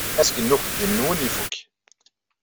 Azgen n uxeddim-nwen ifukk.